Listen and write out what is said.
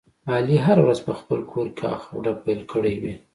علي هره ورځ په خپل کورکې اخ او ډب پیل کړی وي.